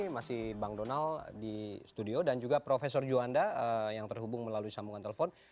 masih bang donald di studio dan juga prof juwanda yang terhubung melalui sambungan telepon